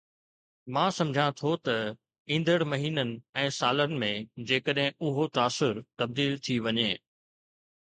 مان سمجهان ٿو ته ايندڙ مهينن ۽ سالن ۾، جيڪڏهن اهو تاثر تبديل ٿي وڃي.